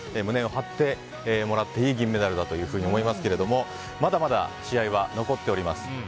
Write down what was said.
胸を張ってもらっていい銀メダルだというふうに思いますけどもまだまだ試合は残っています。